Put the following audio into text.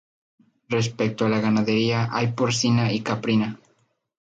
Respecto a la ganadería hay porcina y caprina.